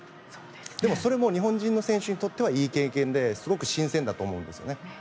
でも、それも日本人の選手にとってはいい経験ですごく新鮮だと思うんですよね。